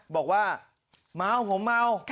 บอกว่าเมาผมเมา